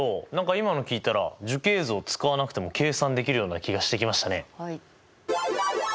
今の聞いたら樹形図を使わなくても計算できるような気がしてきましたね。